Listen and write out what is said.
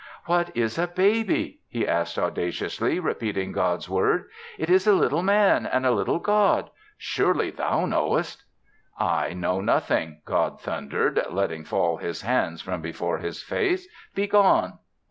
"What is a baby!" he said audaciously repeating God's words. "It is a little Man and a little God. Surely, Thou knowest?" "I know nothing," God thundered, letting fall His hands from before His face. "Be gone."